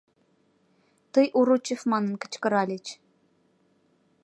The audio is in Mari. Тый Уручев манын кычкыральыч.